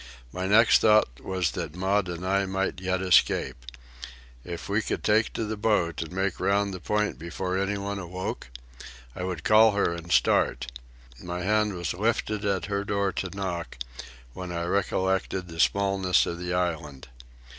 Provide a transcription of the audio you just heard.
My next thought was that Maud and I might yet escape. If we could take to the boat and make round the point before any one awoke? I would call her and start. My hand was lifted at her door to knock, when I recollected the smallness of the island.